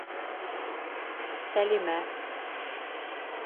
Сәлимә